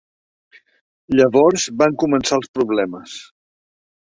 Llavors van començar els problemes.